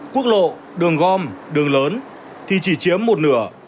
quốc lộ đường gom đường lớn thì chỉ chiếm một nửa